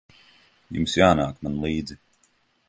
Jums jānāk man līdzi.